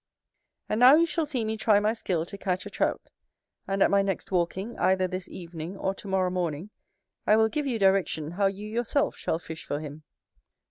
And now you shall see me try my skill to catch a Trout; and at my next walking, either this evening or to morrow morning, I will give you direction how you yourself shall fish for him.